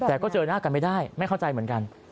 แต่ก็เจอหน้ากันไม่ได้ไม่เข้าใจเหมือนกัน